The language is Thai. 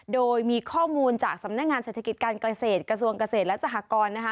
โดยมีข้อมูลจากสำนักงานเศรษฐกิจการเกษตรกระทรวงเกษตรและสหกรนะคะ